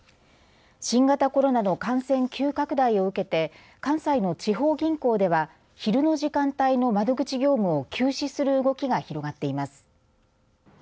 新型コロナの感染急拡大を受けて関西の地方銀行では昼の時間帯の窓口業務を休止する動きが広がっています。